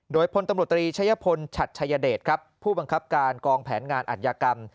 โดยพตชชัชยเดชผู้บังคับการกองแผนงานอัตยากรรม